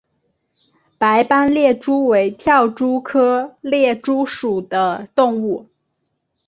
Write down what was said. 白斑猎蛛为跳蛛科猎蛛属的动物。